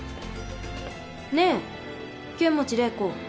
ねえ剣持麗子。